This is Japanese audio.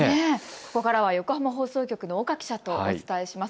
ここからは横浜放送局の岡記者とお伝えします。